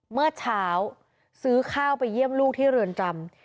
เมื่อเช้าซื้อข้าวไปเยี่ยมลูกที่เรือนจำ